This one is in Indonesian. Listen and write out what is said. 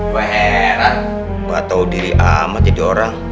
gua heran gua tau diri amat jadi orang